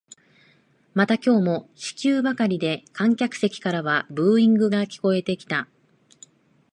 また今日も四球ばかりで観客席からはブーイングが聞こえてきた